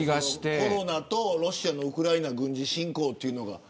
コロナとロシアの軍事侵攻というのが。